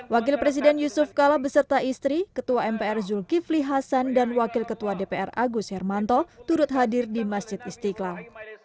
wakil presiden yusuf kala beserta istri ketua mpr zulkifli hasan dan wakil ketua dpr agus hermanto turut hadir di masjid istiqlal